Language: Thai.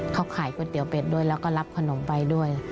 เขาขายก๋วยเตี๋ยเป็ดด้วยแล้วก็รับขนมไปด้วย